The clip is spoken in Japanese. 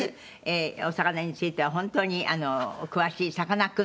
お魚については本当にお詳しいさかなクン